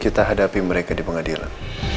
kita hadapi mereka di pengadilan